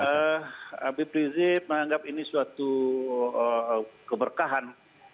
iya abid rizie menganggap ini suatu keberkahan